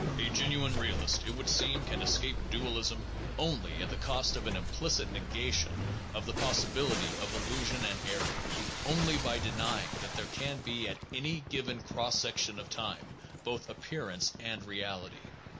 A genuine realist, it would seem, can escape dualism only at the cost of an implicit negation of the possibility of illusion and error, only by denying that there can be at any given cross section of time both ap pearance and reality.